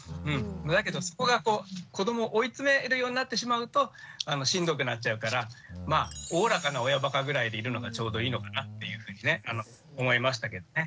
だけどそこがこう子どもを追い詰めるようになってしまうとしんどくなっちゃうからおおらかな親ばかぐらいでいるのがちょうどいいのかなっていうふうにね思いましたけどね。